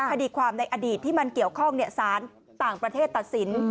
คดีความในอดีตที่มันเกี่ยวข้องสารต่างประเทศตัดสิน